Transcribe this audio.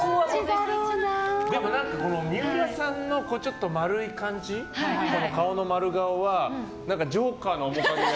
でも三浦さんの丸い感じ顔の丸顔は何かジョーカーの面影が。